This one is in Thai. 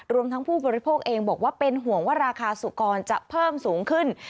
รวมทั้งผู้บริโภคเองบอกว่าเป็นห่วงว่าราคาสุกรจะเพิ่มสูงขึ้น